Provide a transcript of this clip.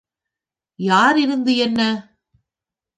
யார் இருந்து என்ன?